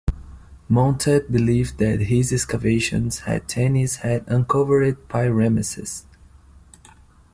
Montet believed that his excavations at Tanis had uncovered Pi-Ramesses.